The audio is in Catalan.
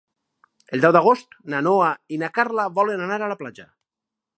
El deu d'agost na Noa i na Carla volen anar a la platja.